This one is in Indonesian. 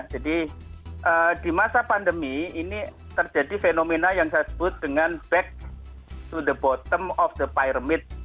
jadi di masa pandemi ini terjadi fenomena yang saya sebut dengan back to the bottom of the pyramid